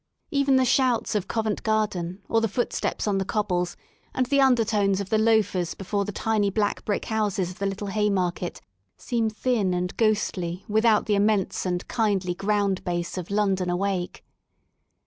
Even the shouts of Coven t Garden or the footsteps on the cobbles, and the undertones of the loafers before the tiny black brick houses of the little hay market, seem thin and ghostly without the immense and kindly ground bass of London awake.